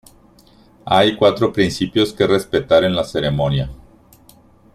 Hay cuatro principios que respetar en la ceremonia.